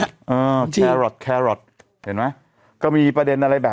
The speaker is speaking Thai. หมัดเหมือนที่นี่หนักน่ะต่อยนะ